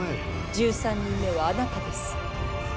１３人目はあなたです。